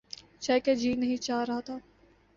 چائے کا جی نہیں چاہ رہا تھا۔